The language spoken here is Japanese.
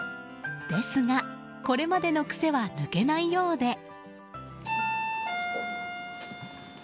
ですが、これまでの癖は抜けないようで。